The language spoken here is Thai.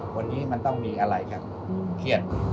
วันนี้มันต้องมีอะไร